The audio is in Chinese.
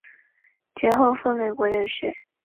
其后赴美国留学。